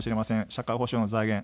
社会保障の財源。